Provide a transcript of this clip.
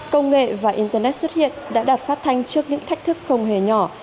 công nghệ và internet xuất hiện đã đạt phát thanh trước những thách thức không hề nhỏ